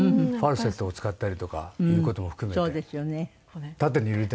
ファルセットを使ったりとかっていう事も含めて。